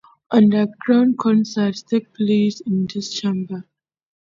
Underground concerts take place in this chamber.